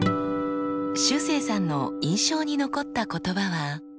しゅうせいさんの印象に残った言葉は。